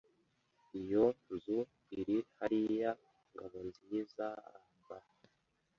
Iyo nzu iri hariya Ngabonzizaaba.